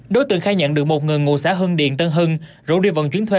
đối tượng khai nhận được một người ngụ xã hưng điện tân hưng rủ đi vận chuyển thuê